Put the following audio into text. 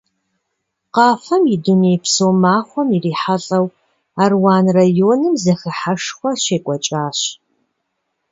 Къафэм и дунейпсо махуэм ирихьэлӀэу, Аруан районым зэхыхьэшхуэ щекӀуэкӀащ.